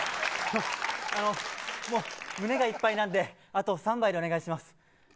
胸がいっぱいなんであと３杯でお願いします。